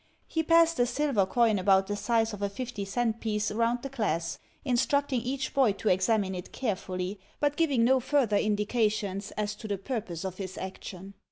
He passed a silver coin about the size of a fifty cent piece around the class, instructing each boy to examine it carefully, but giving no further indications as to the purpose of his action.